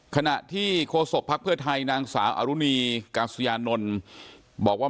ขณะที่โฆษกภักดิ์เพื่อไทยนางสาวอรุณีกาศยานนท์บอกว่า